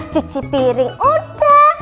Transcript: cuci piring udah